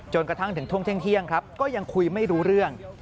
กระทั่งถึงช่วงเที่ยงครับก็ยังคุยไม่รู้เรื่อง